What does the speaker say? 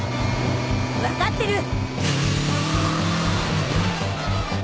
分かってる！